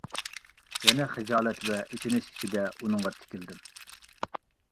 يەنە خىجالەت ۋە ئېچىنىش ئىچىدە ئۇنىڭغا تىكىلدىم.